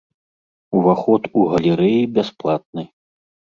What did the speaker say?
Уваход у галерэі бясплатны.